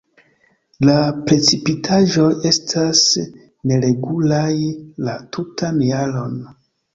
La precipitaĵoj estas neregulaj la tutan jaron.